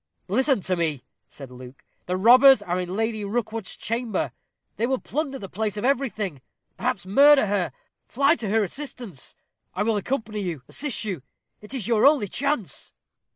"Listen to me," said Luke; "the robbers are in Lady Rookwood's chamber they will plunder the place of everything perhaps murder her. Fly to her assistance, I will accompany you assist you it is your only chance."